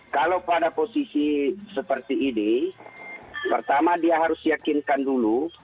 kalau pada posisi seperti ini pertama dia harus yakinkan dulu